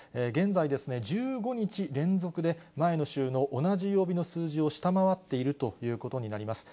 現在、１５日連続で前の週の同じ曜日の数字を下回っているということになります。